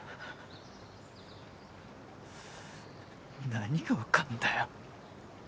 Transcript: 何が分かんだよ。